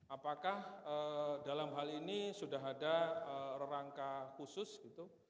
apakah dalam hal ini sudah ada rangka khusus gitu